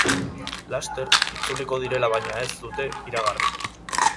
Laster itzuliko direla baina ez dute iragarri.